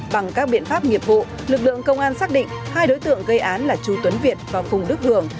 bằng các biện pháp nghiệp vụ lực lượng công an xác định hai đối tượng gây án là chú tuấn việt và phùng đức hường